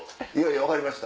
分かりました。